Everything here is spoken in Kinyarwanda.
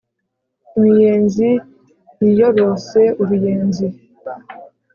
imiyenzi yiyorose uruyenzi